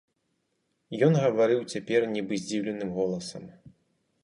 Ён гаварыў цяпер нібы здзіўленым голасам.